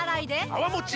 泡もち